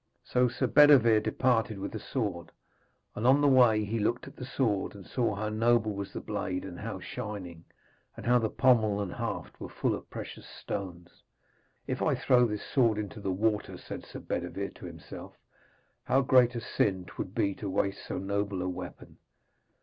So Sir Bedevere departed with the sword, and on the way he looked at the sword, and saw how noble was the blade and how shining, and how the pommel and haft were full of precious stones. 'If I throw this sword into the water,' said Sir Bedevere to himself, 'how great a sin 'twould be to waste so noble a weapon.'